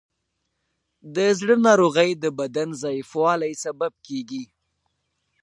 د زړه ناروغۍ د بدن ضعیفوالی سبب کېږي.